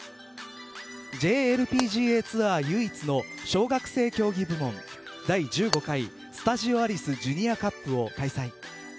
ＪＬＰＧＡツアー唯一の小学生競技部門第１５回スタジオアリスジュニアカップを開催。